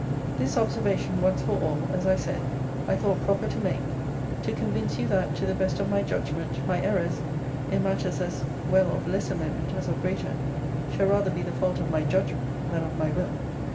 This observation, once for all, as I said, I thought proper to make, to convince you that, to the best of my judgment, my errors, in matters as well of lesser moment as of greater, shall rather be the fault of my judgment than of my will.